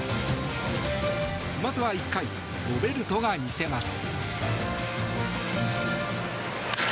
まずは１回ロベルトが見せます。